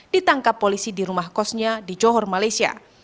ditangkap polisi di rumah kosnya di johor malaysia